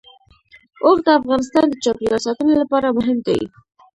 اوښ د افغانستان د چاپیریال ساتنې لپاره مهم دي.